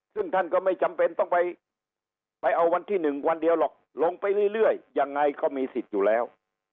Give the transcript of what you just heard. ซึ่งท่านก็ไม่จำเป็นต้องไปเอาวันที่๑วันเดียวหรอกลงไปเรื่อยยังไงก็มีสิทธิ์อยู่แล้ว